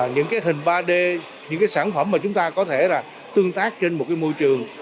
những hình ba d những sản phẩm mà chúng ta có thể tương tác trên một môi trường